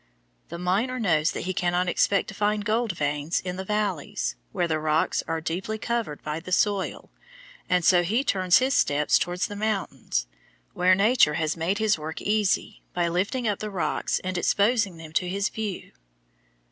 The miner knows that he cannot expect to find gold veins in the valleys, where the rocks are deeply covered by the soil, and so he turns his steps toward the mountains, where Nature has made his work easy by lifting up the rocks and exposing them to his view.